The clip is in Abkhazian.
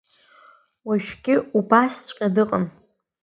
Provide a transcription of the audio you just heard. Уажәгьы убасҵәҟьа дыҟан.